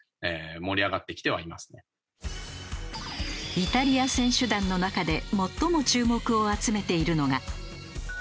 イタリア選手団の中で最も注目を集めているのが。